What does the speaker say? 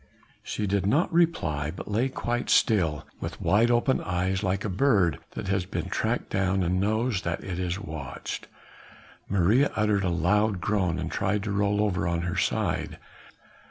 She did not reply, but lay quite still, with wide open eyes like a bird that has been tracked and knows that it is watched. Maria uttered a loud groan and tried to roll over on her side.